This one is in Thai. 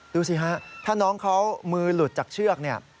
ดูสิฮะถ้าน้องเขามือห์หลุดจากเชือก